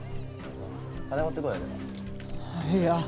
いや。